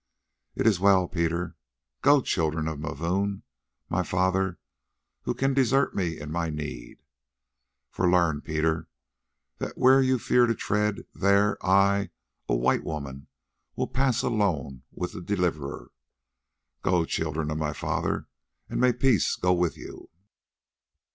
"It is well, Peter. Go, children of Mavoom, my father, who can desert me in my need. For learn, Peter, that where you fear to tread, there I, a white woman, will pass alone with the Deliverer. Go, children of my father, and may peace go with you.